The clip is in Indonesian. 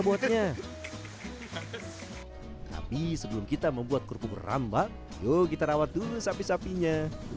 buatnya tapi sebelum kita membuat kerupuk rambak yuk kita rawat dulu sapi sapinya